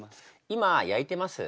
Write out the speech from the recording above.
今焼いてます。